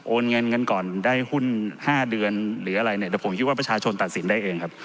โอนเงินเงินก่อนได้หุ้น๕เดือนหรืออะไรแต่ผมคิดว่าประชาชนตัดสินได้เองครับ